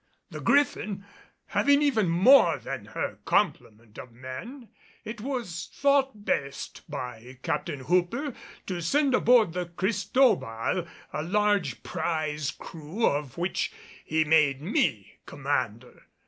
The Griffin having even more than her complement of men, it was thought best by Captain Hooper to send aboard the Cristobal a large prize crew, of which he made me commander.